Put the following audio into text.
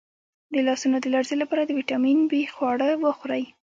د لاسونو د لرزې لپاره د ویټامین بي خواړه وخورئ